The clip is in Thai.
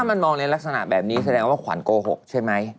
มันมองในลักษณะแบบนี้แสดงว่าขวัญโกหกใช่ไหม